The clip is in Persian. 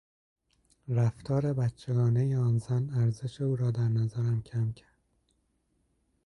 رفتار بچگانهی آن زن ارزش او را در نظرم کم کرد.